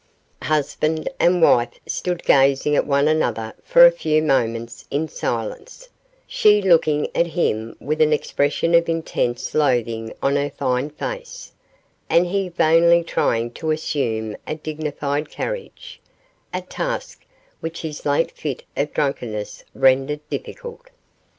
Husband and wife stood gazing at one another for a few moments in silence, she looking at him with an expression of intense loathing on her fine face, and he vainly trying to assume a dignified carriage a task which his late fit of drunkenness rendered difficult.